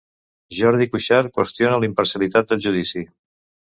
Jordi Cuixart qüestiona la imparcialitat del judici